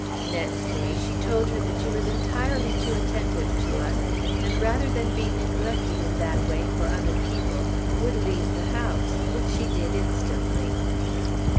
Next day, she told her that she was entirely too attentive to us, and rather than be neglected in that way for other people, would leave the house, which she did instantly.